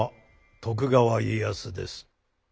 徳川家康です。